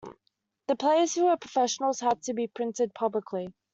The players who were professionals had to be printed publicly.